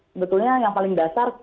sebetulnya yang paling dasar